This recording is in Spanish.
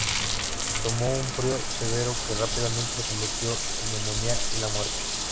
Tomó un frío severo que rápidamente se convirtió en neumonía y la muerte.